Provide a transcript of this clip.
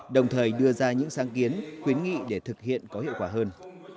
đồng thời đưa ra những sáng kiến khuyến nghị để thực hiện có hiệu quả hơn